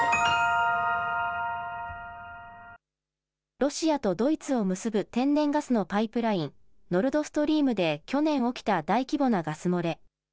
ロシアとドイツを結ぶ天然ガスのパイプライン、ノルドストリームで去年起きた大規模なガス漏れ。